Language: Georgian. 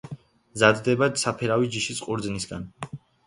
მზადდება საფერავის ჯიშის ყურძნისაგან.